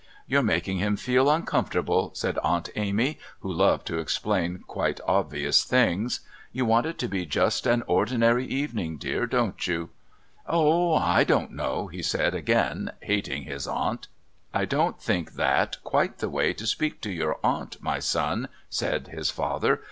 "You're making him feel uncomfortable," said Aunt Amy, who loved to explain quite obvious things. "You want it to be just an ordinary evening, dear, don't you?" "Oh, I don't know," he said again, hating his aunt. "I don't think that quite the way to speak to your aunt, my son," said his father.